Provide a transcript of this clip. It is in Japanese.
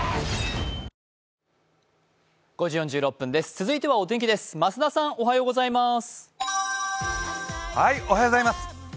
続いてはお天気です、増田さんおはようございます。